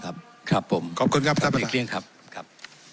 ครับครับผมขอบคุณครับท่านประธานการณ์ครับ